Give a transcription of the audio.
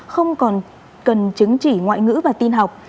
không cần chứng chỉ ngoại ngữ và tin học